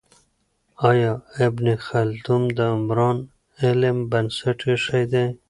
آیا ابن خلدون د عمران علم بنسټ ایښی دی؟